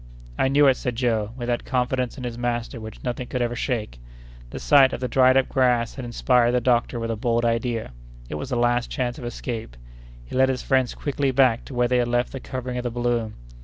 "I knew it," said Joe, with that confidence in his master which nothing could ever shake. The sight of the dried up grass had inspired the doctor with a bold idea. It was the last chance of escape. He led his friends quickly back to where they had left the covering of the balloon.